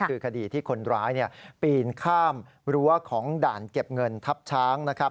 คือคดีที่คนร้ายปีนข้ามรั้วของด่านเก็บเงินทับช้างนะครับ